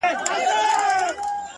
• نيمه شپه يې د كور مخي ته غوغا سوه ,